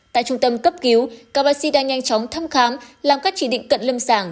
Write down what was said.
tại trung tâm cấp cứu các bác sĩ đã nhanh chóng thăm khám làm các chỉ định cận lâm sàng